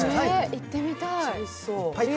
行ってみたい。